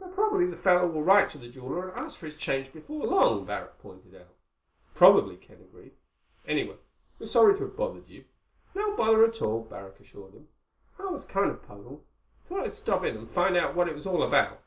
"But probably the fellow will write to the jeweler and ask for his change before long," Barrack pointed out. "Probably," Ken agreed. "Anyway we're sorry to have bothered you." "No bother at all," Barrack assured him. "I was kind of puzzled. Thought I'd stop in and find out what it was all about."